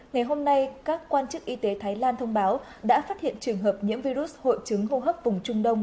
ngày hôm nay các quan chức y tế thái lan thông báo đã phát hiện trường hợp nhiễm virus hội chứng hô hấp vùng trung đông